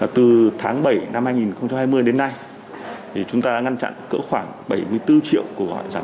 từ tháng bảy năm hai nghìn hai mươi đến nay chúng ta đã ngăn chặn cỡ khoảng bảy mươi bốn triệu cuộc gọi giảm